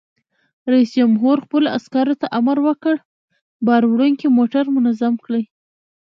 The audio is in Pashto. رئیس جمهور خپلو عسکرو ته امر وکړ؛ بار وړونکي موټر منظم کړئ!